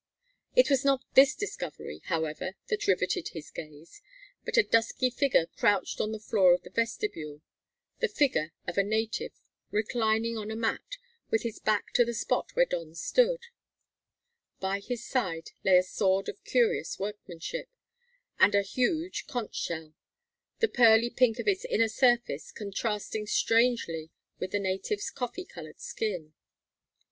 It was not this discovery, however, that riveted his gaze, but a dusky figure crouched on the floor of the vestibule the figure of a native, reclining on a mat, with his back to the spot where Don stood. By his side lay a sword of curious workmanship, and a huge conch shell, the pearly pink of its inner surface contrasting strangely with the native's coffee coloured skin.